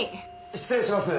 失礼します。